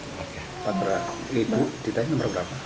empat belas ibu ditanya nomor berapa